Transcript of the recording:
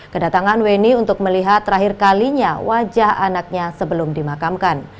kedatangan weni untuk melihat terakhir kalinya wajah anaknya sebelum dimakamkan